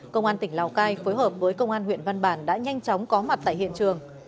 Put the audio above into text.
công an tỉnh lào cai phối hợp với công an huyện văn bản đã nhanh chóng có mặt tại hiện trường